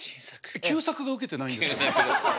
旧作がウケてないんですか？